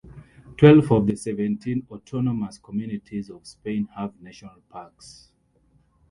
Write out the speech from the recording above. Twelve of the seventeen autonomous communities of Spain have national parks.